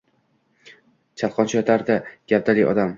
Chalqancha yotardi gavdali odam.